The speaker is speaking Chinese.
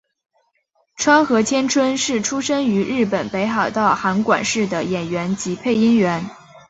川合千春是出身于日本北海道函馆市的演员及配音员。